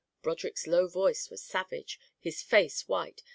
Broderick's low voice was savage, his face white.